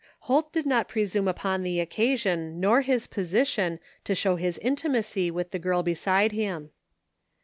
Holt did not presume upon the occasion nor his position to show his intimacy with the girl beside him.